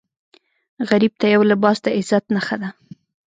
غریب ته یو لباس د عزت نښه ده